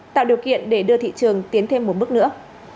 tạo điều kiện để đưa thị trường tiến thêm một bước nữa